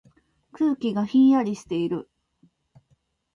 空気がひんやりしている。